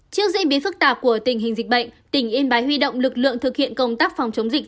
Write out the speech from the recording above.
trước diễn biến phức tạp của tình hình dịch bệnh tỉnh yên bái huy động lực lượng thực hiện công tác phòng chống dịch